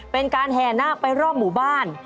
เป็นการแห่นาคไปรอบหมู่บ้าน